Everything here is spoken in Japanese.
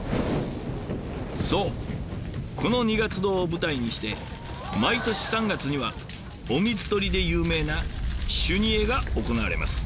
そうこの二月堂を舞台にして毎年３月には「お水取り」で有名な「修二会」が行われます。